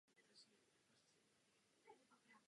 Budova se jako jedna z mála dochovala do dnešních dní.